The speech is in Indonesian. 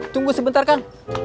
tunggu sebentar kan